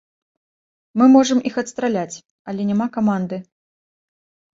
Мы можам іх адстраляць, але няма каманды.